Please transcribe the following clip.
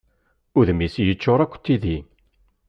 Udem-is yeččur akk d tidi.